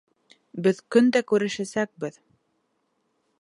Беҙ көн дә күрешәсәкбеҙ.